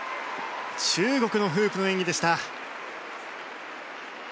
中国のフープの演技でした。